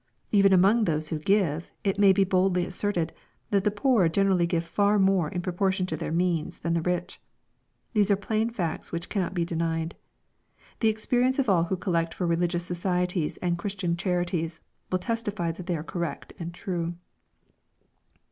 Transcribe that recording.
Even among those who give, it may be boldly asserted, that the poor generally give far more in proportion to their means than the rich. These are plain facts which cannot be denied. The experience of all who collect fo! religious societies and Christian charities, will testify that they are correct and true.